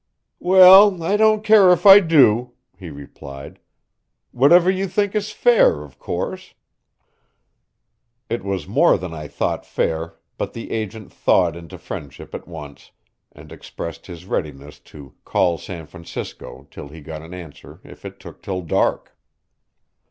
"Well, I don't care if I do," he replied. "Whatever you think is fair, of course." It was more than I thought fair, but the agent thawed into friendship at once, and expressed his readiness to "call San Francisco" till he got an answer if it took till dark.